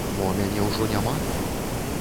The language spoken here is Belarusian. Мо мяне ўжо няма?